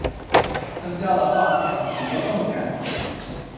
增加了畫面許多動感